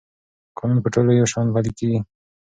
قانون په ټولو یو شان پلی کېږي.